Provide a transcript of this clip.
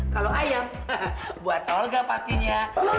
kalau ayam buat rolga pastinya